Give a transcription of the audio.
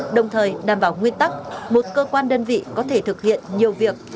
đồng thời đảm bảo nguyên tắc một cơ quan đơn vị có thể thực hiện nhiều việc